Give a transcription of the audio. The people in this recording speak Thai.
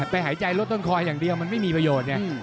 ไปหายใจลดต้นคออย่างเดียวมันไม่มีประโยชน์ไง